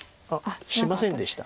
しませんでした。